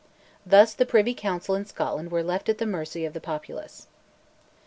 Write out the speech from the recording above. Thus the Privy Council in Scotland were left at the mercy of the populace.